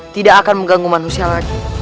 tidak akan mengganggu manusia lagi